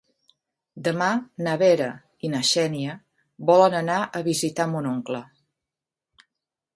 Demà na Vera i na Xènia volen anar a visitar mon oncle.